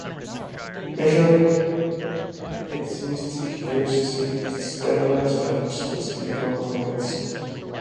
Measuring Epistemic Curiosity and Its Diversive and Specific Components.